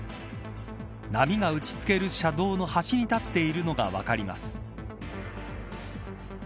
波が打ち付ける車道の端に立っているのが分かります。